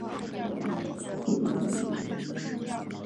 北河街由石硖尾巴域街伸延至通州街公园。